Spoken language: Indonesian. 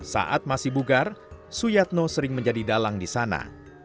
saat masih bugar suyatno sering menjadi dalang di sana